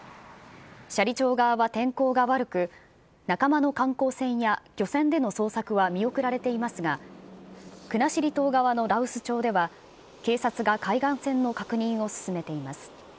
斜里町側は天候が悪く、仲間の観光船や漁船での捜索は見送られていますが、国後島側の羅臼町では、警察が海岸線の確認を進めています。